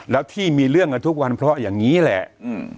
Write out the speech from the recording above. แล้วที่มีเรื่องกันทุกวันเพราะอย่างนี้แหละอืม